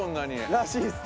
らしいっす。